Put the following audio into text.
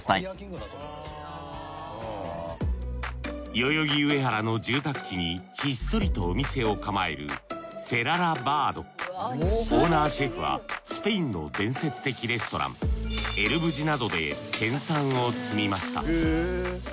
代々木上原の住宅地にひっそりとお店を構えるオーナーシェフはスペインの伝説的レストランエル・ブジなどで研鑽を積みました。